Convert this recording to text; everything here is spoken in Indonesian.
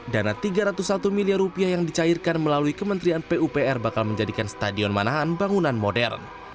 dana tiga ratus satu miliar rupiah yang dicairkan melalui kementerian pupr bakal menjadikan stadion manahan bangunan modern